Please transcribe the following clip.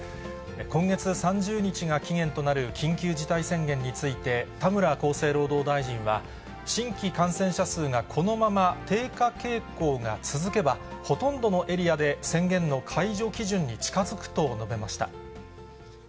今月３０日が期限となる緊急事態宣言について田村厚生労働大臣は、新規感染者数がこのまま低下傾向が続けば、ほとんどのエリアで宣言の解除基準に近づくと述べました。